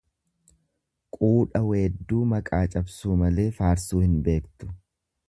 Quudha weedduu maqaa cabsuu malee faarsuu hin beektu.